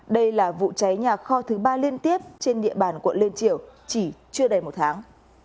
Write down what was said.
đây là vụ cháy nhà kho thứ ba liên tiếp trên địa bàn quận liên triều chỉ chưa đầy một tháng